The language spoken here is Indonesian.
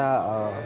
dan saya menikmati